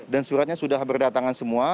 dan suratnya sudah berdatangan semua